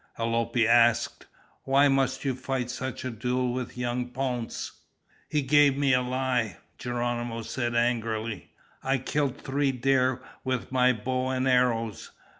Alope asked, "Why must you fight such a duel with young Ponce?" "He gave me the lie!" Geronimo said angrily. "I killed three deer with my bow and arrows.